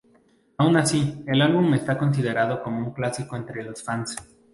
Aun así, el álbum está considerado como un clásico entre los fans.